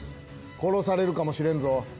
殺されるかもしれんぞ。